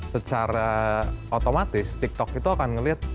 secara otomatis tiktok itu akan melihat